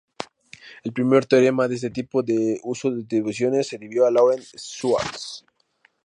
El primer teorema de este tipo que usa distribuciones se debió a Laurent Schwartz.